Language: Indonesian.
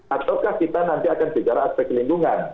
ataukah kita nanti akan bicara aspek lingkungan